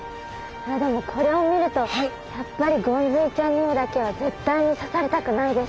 でもこれを見るとやっぱりゴンズイちゃんにだけは絶対に刺されたくないです。